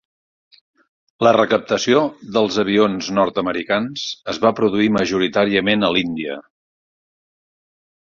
La recaptació dels avions nord-americans es va produir majoritàriament a l'Índia.